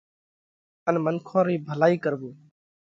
ان منکون رئِي ڀلائِي ڪروو۔